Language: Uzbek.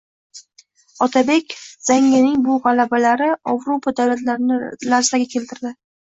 Otabek Zanggining bu g‘alabalari Ovrupo davlatlarini larzaga keltirdi